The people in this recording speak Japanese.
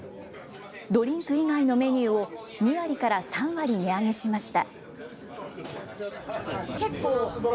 ドリンク以外のメニューを２割から３割値上げしました。